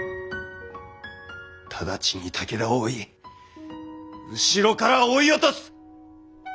直ちに武田を追い後ろから追い落とす！